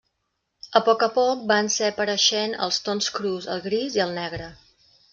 A poc a poc van ser apareixent els tons crus, el gris i el negre.